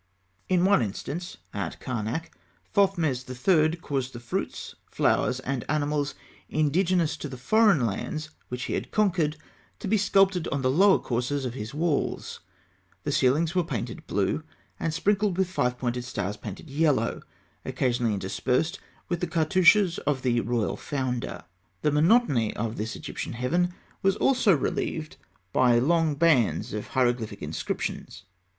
In one instance, at Karnak, Thothmes III. caused the fruits, flowers, and animals indigenous to the foreign lands which he had conquered, to be sculptured on the lower courses of his walls (fig. 103). The ceilings were painted blue, and sprinkled with five pointed stars painted yellow, occasionally interspersed with the cartouches of the royal founder. The monotony of this Egyptian heaven was also relieved by long bands of hieroglyphic inscriptions.